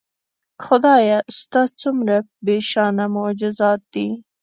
خدایه ستا څومره بېشانه معجزات دي